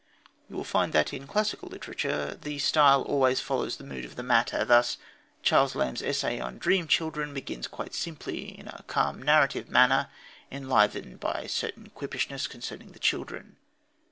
You will find that, in classical literature, the style always follows the mood of the matter. Thus, Charles Lamb's essay on Dream Children begins quite simply, in a calm, narrative manner, enlivened by a certain quippishness concerning the children.